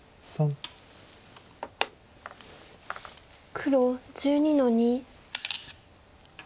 黒１２の二。